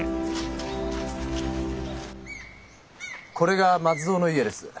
これが松蔵の家です。